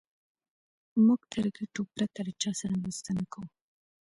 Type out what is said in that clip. موږ تر ګټو پرته له چا سره مرسته نه کوو.